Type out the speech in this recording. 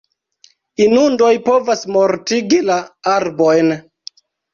Inundoj povas mortigi la arbojn.